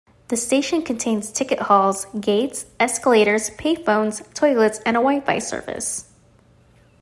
The station contains ticket halls, gates, escalators, payphones, toilets and a Wifi service.